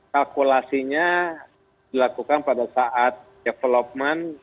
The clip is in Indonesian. kalkulasinya dilakukan pada saat development